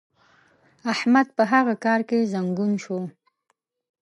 احمد په هغه کار کې زنګون شو.